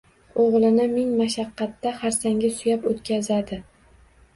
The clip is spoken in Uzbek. O‘g‘lini ming mashaqqatda xarsangga suyab o‘tqazadi.